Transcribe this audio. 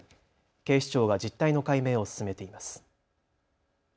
警視庁が実態の解明を進めています。